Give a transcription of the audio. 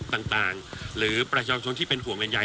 ต่างต่างหรือประชาชนที่เป็นห่วงเบียนใย